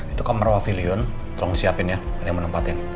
itu kamar wafilion tolong siapin ya ada yang mau nempatin